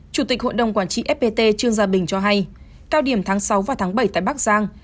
chủ tịch hội đồng quản trị fpt trương gia bình cho hay cao điểm tháng sáu và tháng bảy tại bắc giang